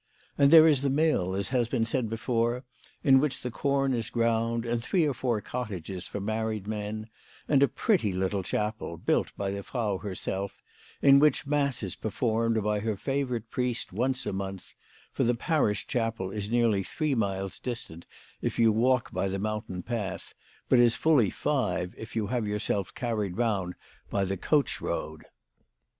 And there is the mill, as has been said before, in which the corn is ground, and three or four cottages for married men, and a pretty little chapel, built by the Frau her self, in which mass is performed by her favourite priest once a month, for the parish chapel is nearly three miles distant if you walk by the mountain path, but is fully five if you have 'yourself carried round by the coach road.